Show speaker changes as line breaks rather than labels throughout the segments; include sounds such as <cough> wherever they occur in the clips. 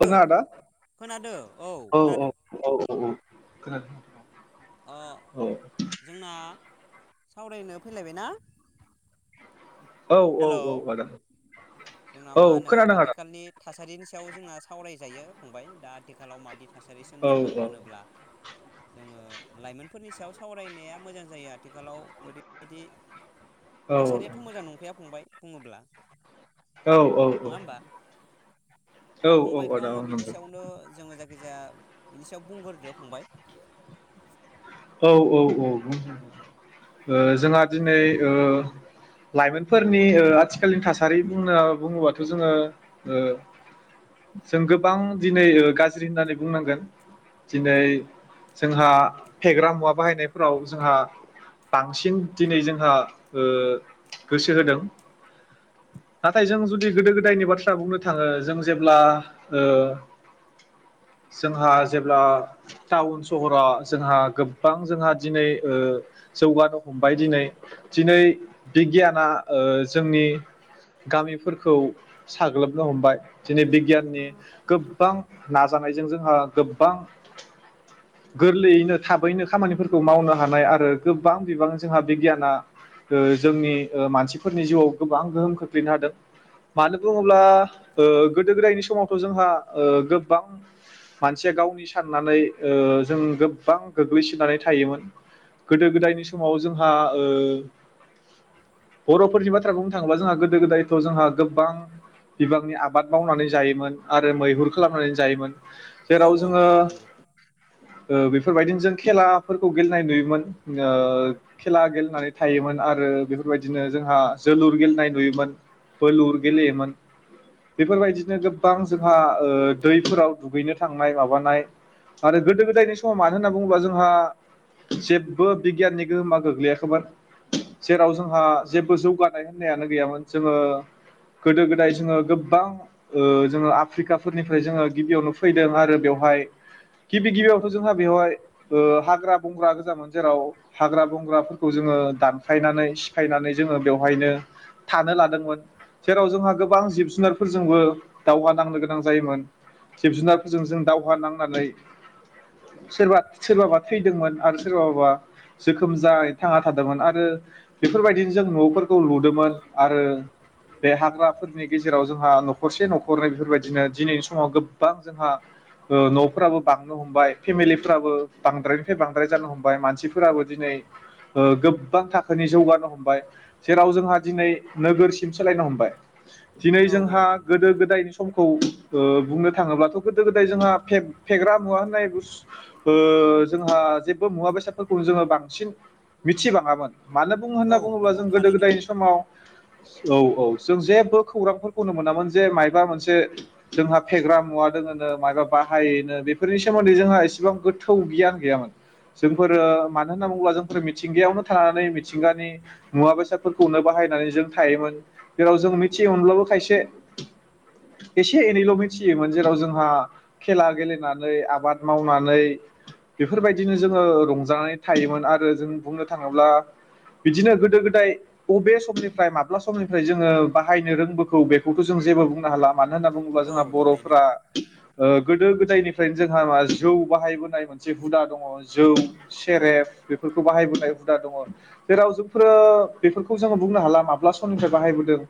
नंगौ ना आदा?
खोनादो
औ
खोनादो
औ औ औ औ खोनादो
अ जोंना सावरायनो फैलायबाय ना?
औ औ
हेलौ
औ आदा
जोंना
औ
मा होनो
खोनादों आदा
आथिखालनि थासारिनि सायाव जोंना सावरायजायो फंबाय दा आथिखालाव मादि थासारि
औ
सोमजिनो होनोब्ला जोङो लाइमोनफोरनि सायाव सावरायनाया मोजां जायो आथिखालाव ओरैबायदि
औ
थासारियाथ मोजां नंखाया फंबाय बुङोब्ला
औ औ औ
नङा होमबा दा फंबायखौ
आदा
आङो बिनि
नंगौ
सायावनो जोङो जायखिजाया बिनि सायाव बुंग्रोदो फंबाय
औ औ औ जोंहा दिनै ओ लाइमोनफोरनि आथिखालनि थासारि बुंना बुङोबाथ जोङो जों गोबां दिनै गाज्रि होननानै बुंनांगोन दिनै जोंहा फेग्रा मुवा बाहायनायफोराव जोंहा बांसिन दिनै जोंहा ओ गोसो होदों नाथाय जों जुदि गोदो गोदायनि बाथ्रा बुंनो थाङो जों जेब्ला ओ जोंहा जेब्ला टाउन सहराव जोंहा गोबां जोंहा दिनै ओ जौगानो हमबाय दिनै दिनै बिगियाना जोंनि गामिफोरखौ साग्लोबनो हमबाय दिनै बिगियाननि गोबां नाजानायजों जोंहा गोबां गोरलैयैनो थाबैनो खामानिफोरखौ मावनो हानाय आरो गोबां बिबां जोंहा बिगियाना जोंनि मानसिफोरनि जिउआव गोबां गोहोम खोख्लैनो हादों मानो बुङोब्ला गोदो गोदायनि समावथ जोंहा गोबां मानसिया गावनि साननानै ओ जों गोबां गोग्लैसोनानै थायोमोन गोदो गोदायनि समाव जोंहा ओ बरफोरनि बाथ्रा बुंनो थाङोबा जोंहा गोदो गोदायथ जोंहा गोबां बिबांनि आबाद मावनानै जायोमोन आरो मैहुर खालामनानै जायोमोन
औ
जेराव
औ
जोङो
औ नंगौ
बेफोरबायदिनो जों खेलाफोरखौ गेलेनाय नुयोमोन खेला गेलेनानै थोन आरो बेफोरबायदिनो जोंहा जोलुर गेलेनाय नुयोमोन बोलुर गेलेयोमोन बेफोरबायदिनो गोबां जोंहा ओ दैफोराव दुगैनो थांनाय माबानाय आरो गोदो गोदायनि समाव मानो होन बुङोबा जोंहा जेबो बिगियाननि गोहोमा गोग्लैयाखैमोन जेराव जोंहा जेबो जौगानाय होननायानो गैयामोन जोङो गोदो गोदाय जोङो गोबां जोङो आफ्रिकाफोरनिफ्राय जोङो गिबियावनो फैदों आरो बेवहाय गिबि गिबियावथ जोंहा बेवहाय ओ हाग्रा बंग्रा गोजामोन जेराव हाग्रा बंग्राफोरखौ जोङो दानखायनानै सिफायनानै जोङो बेवहायनो थानो लादोंमोन जेराव जोंहा गोबां जिब जुनारफोरजोंबो दावहा नांनो गोनां जायोमोन जिब जुनारफोरजों जों दावहा नांनानै सोरबा सोरबाबा थैदोंमोन आरो सोरबाबा जोखोम जायै थांना थादोंमोन आरो बेफोरबायदिनो जों नफोरखौ लुदोंमोन आरो बे हाग्राफोरनि गेजेराव जोंहा नखरसे नखरनै बेफोरबायदिनो दिनैनि समाव गोबां जोंहा नफोराबो बांनो हमबाय फेमिलिफ्राबो बांद्रायनिफ्राय बांद्राय जानो हमबाय मानसिफोराबो दिनै गोबां थाखोनि जौगानो हमबाय जेराव जोंहा दिनै नोगोरसिम सोलायनो हमबाय दिनै
औ औ
जोंहा
नंगौ
गोदो गोदायनि सम बुंनो थाङोब्लाथ गोदो गोदाय जोंहा फेग्रा मुवा होननाय बुस जोंहा जेबो मुवा बेसादफोरखौ जोङो बांसिन मिथिबाङामोन मानो बुङो होनना
औ
बुङोब्ला
नंगौ
जों गोदो
थारैनो
गोदायनि समाव औ औ जों जेबो खौरांफोरखौनो मोनामोन जे मायबा मोनसे जोंहा फेग्रा मुवा दङोनो मायबा बाहायोनो बेफोरनि सोमोन्दै जोंहा इसेबां गो थौ गियान गैयामोन जोंफोरो मानो होनना बुङोब्ला जोंफोर मिथिंगायावनो थानानै मिथिंगानि मुवा बेसादफोरखौनो बाहायनानै जों थायोमोन जेराव जों मिथियोमोनब्लाबो खायसे एसे एनैल' मिथियोमोन जेराव जोंहा खेला गेलेनानै आबाद मावनानै बेफोरबायदिनो जोङो रंजानानै थायोमोन आरो जों बुंनो थाङोब्ला बिदिनो गोदो गोदाय अबे समनिफ्राय माब्ला समनिफ्राय जोङो बाहायनो रोंबोगौ बेखौथ' जों जेबो बुंनो हाला मानो होनना बुङोब्ला
औ
जोंना
थारैनो
बर'फोरा ओ गोदो गोदायनिफ्रायनो जोंहा मा जौ बाहायबोनाय मोनसे हुदा दङ जौ सेरेब बेफोरखौ बाहायबोनाय हुदा दङ जेराव जोंफोरो बेफोरखौ जोङो बुंनो हाला माब्ला समनिफ्राय बाहायबोदों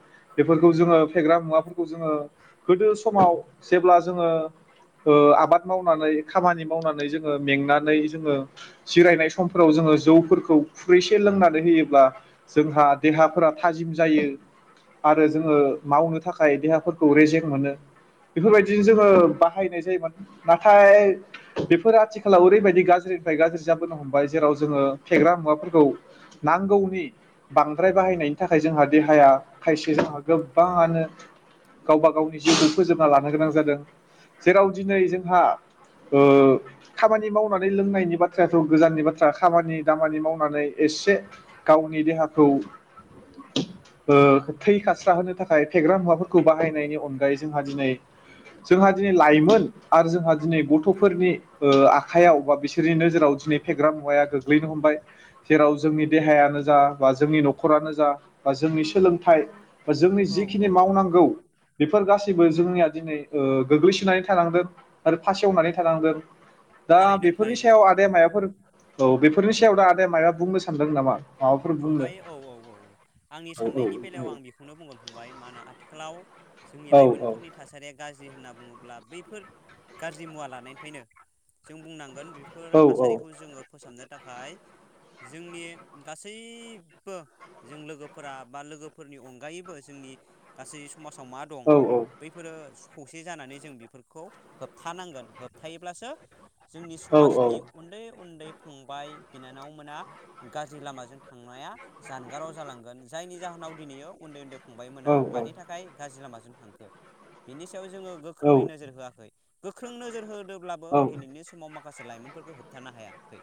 बेफोरखौ जोङो फेग्रा मुवाफोरखौ जोङो गोदो समाव जेब्ला जोङो ओ आबाद मावनानै खामानि मावनानै जों मेंनानै जोङो जिरायनाय समफोराव जोङो जौफोरखौ खुरैसे लोंनानै होयोब्ला जोंहा देहाफोरा थाजिम जायो आरो जोङो मावनो थाखाय देहाफोरखौ रेजें मोनो बेफोरबायदिनो जोङो बाहायनाय जायोमोन नाथाय बे फोर आथिखालाव ओरैबायदि गाज्रिनिफ्राय गाज्रि जाबोनो हमबाय जेराव जोङो फेग्रा मुवाफोरखौ नांगौनि बांद्राय बाहायनायनि थाखाय जोंहा देहाया खायसे जोंहा गोबाङानो गावबा गावनि जिउखौ फोजोबना लानो गोनां जादों जेराव दिनै जोंहा ओ खामानि मावनानै लोंनायनि बाथ्रायाथ' गोजाननि बाथ्रा खामानि दामानि मावनानै एसे गावनि देहाखौ ओ थै खास्रा होनोनो थाखाय फेग्रा मुवाफोरखौ बाहायनायनि अनगायै जोंहा दिनै जोंहा दिनै लाइमोन आरो जोंहा दिनै गथ'फोरनि ओ आखाइयाव बा बिसोरनि नोजोराव दिनै फेग्रा मुवाया गोग्लैनो हमबाय जेराव जोंनि देहायानो जा बा जोंनि न'खरानो जा बा जोंनि सोलोंथाइ बा जोंनि
औ
जिखिनि
औ
मावनांगौ बेफोर गासैबो जोंनिया दिनै ओ गोग्लैसोनानै थानांदों आरो फासेवनानै थानांदों दा
थारैनो
बेफोरनि
थारैनो
सायाव आदाया मायबाफोर औ बेफोरनि सायाव दा आदाया मायाबा बुंनो सानदों नामा? माबाफोर बुंनो
फंबाय औ औ औ आंनि
औ
साननायनि बेलायाव आं
औ
बेखौनो बुंगोन फंबाय मा होनो आथिखालाव जोंनि
औ औ
लाइमोनफोरनि थासारिया गाज्रि होनना बुङोब्ला बैफोर गाज्रि मुवा लानायनिफ्रायनो जों बुंनांगोन। बेफोर
औ औ
थासारिखौ जोङो फोसाबनो थाखाय जोंनि गासैनि गासैबो जों लोगोफोरा बा लोगोफोरनि अनगायैबो जोंनि गासै समाजाव मा दं बैफोरो खौसे जानानै जों बेफोरखौ होबथानांगोन। थायोब्लासो जोंनि समाजनि उन्दै उन्दै फंबाय-बिनानाव मोना गाज्रि लामाजों थांनाया जानगाराव जालांगोन जायनि जाहोनाव दिनैयो उन्दै उन्दै फंबायमोना मानि थाखाय गाज्रि लामाजों <unintelligible> सायाव जोङो गोख्रोङै नोजोर होआखै। गोख्रों नोजोर होदों। अब्लाब दिनैनि समाव माखासे लाइमोनफोरखौ होबथानो हायाखै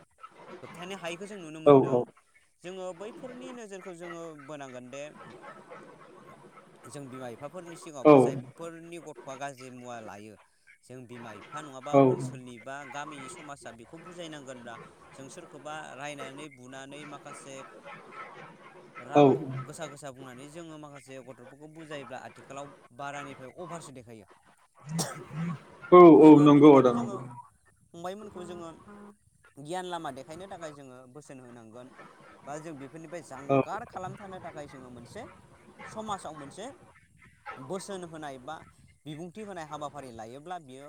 होबथानो हायै बेखौ जों नुनो मोनदों। जोङो बैफोरनि नोजोरखौ जोङो बोनांगोन दे
<inaudible>
जों बिमा बिफाफोरनि सिगाङावबो जायफोरनि गथ'आ गाज्रि मुवा लायो। जों बिमा एफा नङाबा ओनसोलनि बा गामिनि समाजा बेखौ बुजायनांगोनब्ला जों सोरखौबा रायनानै बुनानै। माखासे
औ
राग गोसा गोसा बुंनाय जोङो माखासे गथ'फोरखौ बुजायोब्ला आथिखालाव बारानिफ्राय अभारसो देखायो
औ
जोङो
नंगौ
बेनिखायनो
आदा
जोङो
नंगौ
फंबायमोनखौ जोङो गियान लामा देखायनो थाखाय जोङो बोसोन होनांगोन। बा जों बे बेफोरनिफ्राय
औ
जानगार खालामथानो थाखाय जोङो मोनसे समाजाव मोनसे बोसोन होनाय बा बिबुंथि होनाय हाबाफारि लायोब्ला बियो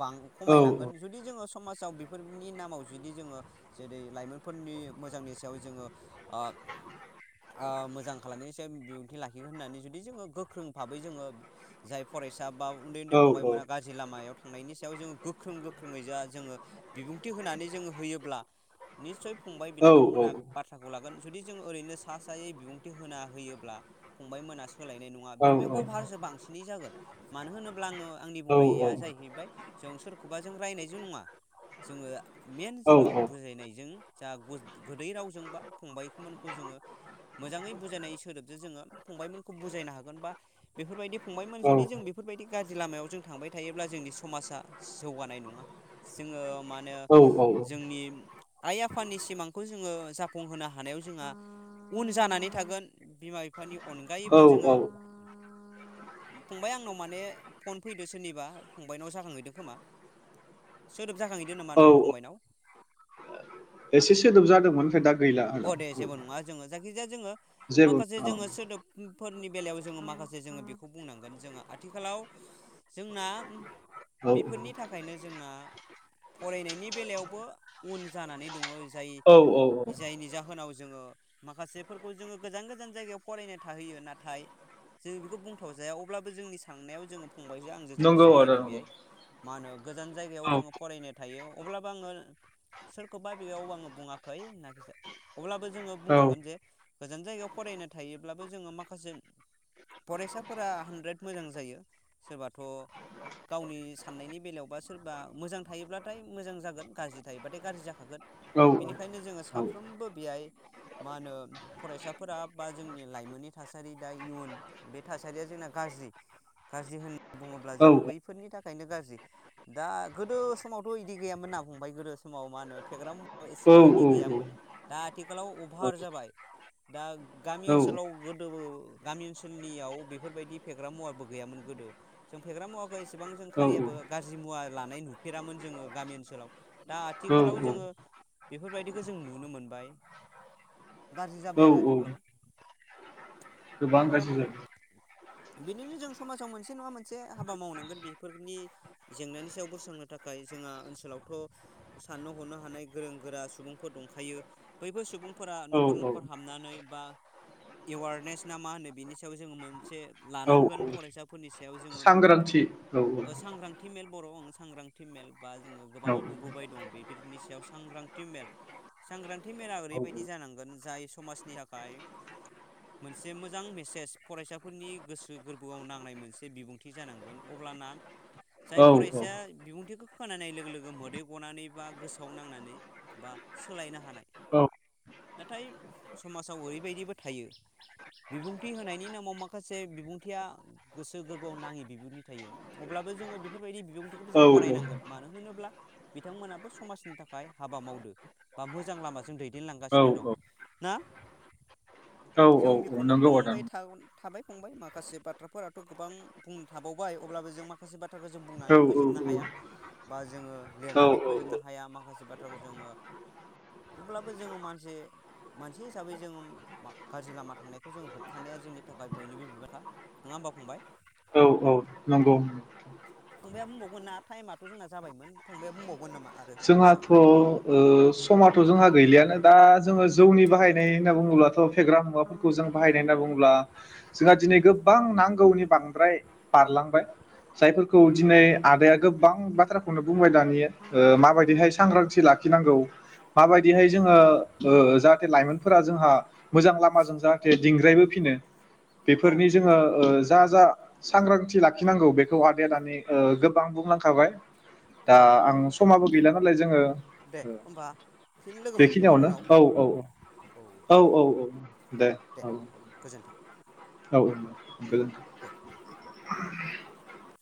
बां
औ
खमायलांगोन जुदि जोङो समाजाव बेफोरनि नामाव जुदि जोङो जेरै लाइमोनफोरनि मोजांनि सायाव जोङो ओ ओ मोजां खालामनाय सायाव बिबुंथि लाखिगोन होननानै जुदि जोङो गोख्रों भाबै जोङो जाय फरायसा बा उन्दै उन्दै
औ
फंबायमोना गाज्रि लामायाव थांनायनि आव जोङो गोख्रों गोख्रोङै जा जोङो बिबुंथि होनानै जोङो होयोब्ला निसय फंबाय
औ
बिनानाव बिथांमोना बाथ्राखौ लागोन। जुदि जों ओरैनो सा सायै बिबुंथि होना होयोब्ला फंबाय मोनास सोलायनाय नङा
औ
बिनिफ्राय अफारसो बांसिनै जागोन। मानो होनोब्ला अब्ला आङो आंनि बुंनाया जाहैबाय जों सोरखौबा जों रायनायजों नङा। जोङो मेन
औ
जोङो बुजायनायजों जा गुस गोदै रावजोंबा फंबायमोनखौ जोङो मोजाङै बुजायनाय सोदोबजों जोङो फंबायमोनखौ बुजायनो हागोन बा बेफोरबायदि फंबायमोन
औ
जुदि जों बेफोरबायदि गाज्रि लामायाव जों थांबाय थायोब्ला जोंनि समाजा जौगानाय नङा जोङो। मा होनो जोंनि आइ आफानि सिमां खौ जोङो जाफुंहोनो हानायाव जोंहा उन जानानै थागोन बिमा बिफानि अनगायैबो जोङो फंबाय आंनाव माने फन फैदो सोरनिबा फंबायनाव जाखांहैदो खोमा सोर जाखांहैदो नामा नों फंबायनाव?
एसे सोदोब जादोंमोन ओमफाय दा गैला
अ
आदा
दे जेबो नङा जोङो जायखिजाया जोङो
जेबो औ
माखासे जोङो सोदोब फोरनि बेलायाव जोङो माखासे जोङो बेखौ बुंनांगोन जोङो आथिखालाव जोंना
औ
बेफोरनि थाखायनो जोंना फरायनायनि बेलायावबो उन जानानै दङ जाय
औ औ औ
जायनि जाहोनाव जोङो माखासेफोरखौ जोङो गोजान गोजान जायगायाव फरायनो थाहैयो नाथाय जों बेखौ बुंथावजाया अब्लाबो जोंनि साननायाव जो फंबाय आंजों जों
नंगौ आदा
सावरायदो
नंगौ
बेहाय मा होनो गोजान
औ
जायगायाव जों फरायनो थायो अब्लाबो आङो सोरखौबा बेयाव आङो बुङाखै। <unintelligible> अब्लाबो जोङो
औ
बुंनांगोन जे। गोजान जायगायाव फरायनाय थायोब्लाबो जोङो माखासे फरायसाफोरा हानद्रेद मोजां जायो सोरबाथ' गावनि साननायनि बेलायावबा सोरबा मोजां थायोब्लाथाय मोजां जागोन गाज्रि थायोब्लााथाय गाज्रि जाखागोन
औ
बेनिखायनो जोङो सा साफ्रोमबो बेहाय मा होनो फरायसाफोरा बा जोंनि लाइमोननि थासारि दा इयुन बे थासारिया जोंना गाज्रि गाज्रि होनना बुङोब्ला
औ
जों बैफोरनि थाखायनो गाज्रि दा गोदो समावथ' इदि गैयामोन ना फंबाय गोदो समाव मा होनो फेग्रा मु एसेबां इदि गैयामोन दा आथिखालाव अभार जाबाय दा गामि ओनसोलाव गोदोबो गामि ओनसोलनियाव बेफोरबायदि फेग्रा मुवाबो गैयामोन गोदो जों फेग्रा मुवाखौ एसेबां जों
औ
खारियाबो गाज्रि मुवा लानाय नुफेरामोन जोङो गामि ओनसोलाव दा
औ
आथिखालाव
औ
जोङो बेफोरबायदिखौ जों नु नुनो मोनबाय गाज्रि
औ
जाबाय आरो
औ
आथिखालाव
गोबां
जोङो
<unintelligible>
बिदिनो जों समाजाव मोनसे नङा मोनसे हाबा मावनांगोन बेफोरनि जेंनानि सायाव बोस्रांनो थाखाय जोंहा ओनसोलावथ' साननो हरनो हानाय गोरों गोरा सुबुंफोर दं खायो बैबो सुबुंफोरा नखर
औ
न'मखर
औ
हाबनानै बा एवारनेस ना मा होनो बेनि सायाव जोङो मोनसे
औ
लानांगोन
औ
फरायसाफोरनि सायाव याव जोङो
सांग्रांथि औ
ओ सांग्रांथि मेल बर' सांग्रांथि मेल बा जोङो गोबां
औ
नुबोबाय दं बेफोरनि सायाव सांग्रांथि मेल सांग्रांथि मेला
औ
ओरैबायदि जानांगोन जाय समाजनि थाखाय मोनसे मोजां मेसेज फरायसाफोरनि गोसो गोरबोआव नांनाय मोनसे बिबुंथि जानांगोन अब्लाना जाय
औ
फरायसाया बिबुंथिखौ खोनानाय लोगो लोगो मोदै गनानै बा गोसोआव नांनानै बा सोलायनो हानाय नाथाय समाजाव ओरैबायदिबो थायो बिबुंथि होनायनि नामाव माखासे बिबुंथिया गोसो गोरबोआव नाङि बिबुंथि थायो अब्लाबो जोङो बेफोरबायदि बिबुंथिखौबो जों गनायनांगोन मानो होनोब्ला बिथांमोनाबो समाजनि थाखाय हाबा मावदो बा मोजां लामाजों दैदेनलांगासिनो दं ना
औ
जों
औ
बेखौनो
नंगौ आदा
बुंबाय थाबाय फंबाय माखासे बाथ्राफोराथ' गोबां बुं थाबावबाय अब्लाबो जों माखासे बाथ्राखौ जों
औ
बुंनानै
औ
फोजोबनो हाया बा जोङो लेरनानै
औ
फोजोबनो हाया माखासे बाथ्राखौ जोङो अब्लाबो जोङो मानसि मानसि हिसाबै जोङो मा गाज्रि लामा थांनायखौ जोङो होबथानाया जोंनि थाखाय बयनिबो बिबांखा नोङा होमबा फंबाय
औ औ औ नंगौ
फंबाया बुंबावगोन ना टाइमाथ' जोंना जाबायमोन फंबाया बुंबावगोन नामा आरो बिनि सायाव
जोंहाथ' ओ समाथ' जोंहा गैलियानो दा जोङो जौनि बाहायनाय होनना बुङोब्लाथ' फेग्रा मुवाफोरखौ जों बाहायनाय होनना बुङोब्ला जोंहा दिनै गोबां नांगौनि बांद्राय बारलांबाय जायफोरखौ दिनै आदाया गोबां बाथ्राखौनो बुंबाय दानि माबायदिहाय सांग्रांथि लाखिनांगौ माबायदिहाय जोङो ओ जाहाथे लाइमोनफोरा जोंहा मोजां लामाजों जाहाथे दिंग्रायबोफिनो
औ
बेफोरनि जोङो ओ जा जा सांग्रांथि लाखिनांगौ बेखौ आदाया दानि ओ गोबां बुंलांखाबाय दा
औ
आं बो गैला नालाय जोङो
दे होमबा फिन लोगो मोनफिनगोन
बेखिनियावनो
उनाव
औ औ औ औ औ औ दे औ
गोजोन्थों
औ <unintelligible>
<unintelligible>
<unintelligible>